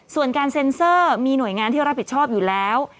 ส่วนการเซ็นเซอร์มีหน่วยงานที่รับผิดชอบอยู่แล้ว